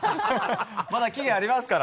まだ期限ありますから！